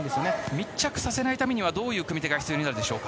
密着させないためにはどういう組み手が必要になりますか。